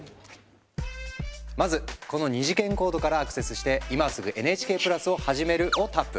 まずこの二次元コードからアクセスして「今すぐＮＨＫプラスをはじめる」をタップ。